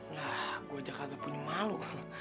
lah gue aja kagak punya malu